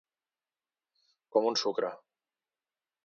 Com un sucre.